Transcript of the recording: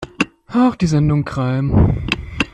Auch die Sendung "Crime!